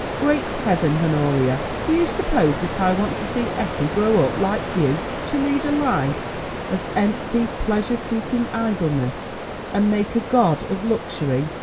Great heaven, Honoria, do you suppose that I want to see Effie grow up like you, to lead a life of empty pleasure seeking idleness, and make a god of luxury.